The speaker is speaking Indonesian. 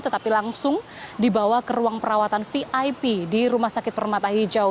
tetapi langsung dibawa ke ruang perawatan vip di rumah sakit permata hijau